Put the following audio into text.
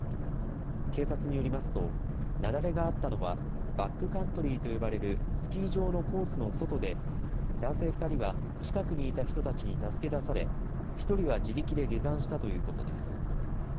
警察によりますと、雪崩があったのはバックカントリーと呼ばれるスキー場のコースの外で、男性２人は近くにいた人たちに助け出され、１人は自力で下山したということです。